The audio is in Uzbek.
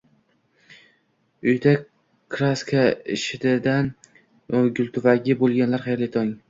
Uyida краска idishidan gultuvagi bo'lganlar, xayrli tong!